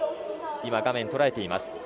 今、画面にとらえています。